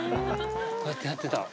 こうやってやってた。